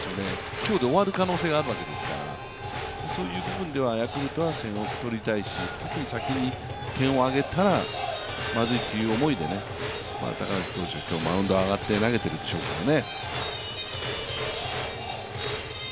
今日で終わる可能性があるわけですから、そういう部分ではヤクルトは点を取りたいし、特に先に点をあげたら、まずいという思いで高梨投手は今日、マウンドに上がって投げてるでしょうね。